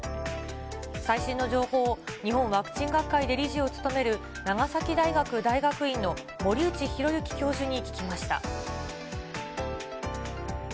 最新の情報を、日本ワクチン学会で理事を務める長崎大学大学院の森内裕幸教授に聞きました。